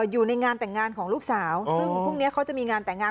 อยู่ในงานแต่งงานของลูกสาวซึ่งพรุ่งนี้เขาจะมีงานแต่งงาน